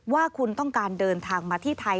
ว่าคุณต้องการเดินทางมาที่ไทย